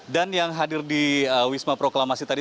dan yang hadir di wisma proklamasi tadi